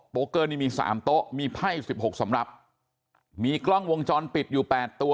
โกเกอร์นี่มีสามโต๊ะมีไพ่สิบหกสำหรับมีกล้องวงจรปิดอยู่แปดตัว